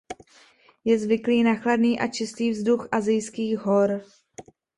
Je zvyklý na chladný a čistý vzduch asijských hor.